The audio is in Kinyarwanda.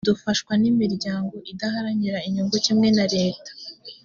dufashwa n’imiryango idaharanira inyungu kimwe na leta